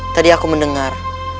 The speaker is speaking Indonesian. tadi aku mendengar